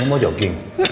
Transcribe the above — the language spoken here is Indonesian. kamu mau jogging